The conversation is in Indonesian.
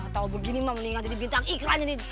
tau begini mah mendingan jadi bintang iklannya nih